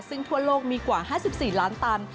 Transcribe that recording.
ซึ่งทั่วโลกมีกว่า๕๔ล้านตัน